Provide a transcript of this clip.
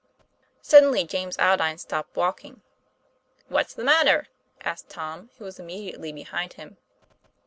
Suddenly James Aldine stopped walking. "What's the matter?" asked Tom, who was im mediately behind him.